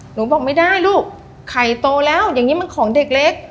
หนูบอกไม่ได้ลูกไข่โตแล้วอย่างนี้มันของเด็กเล็ก